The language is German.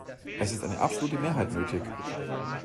Es ist eine absolute Mehrheit nötig.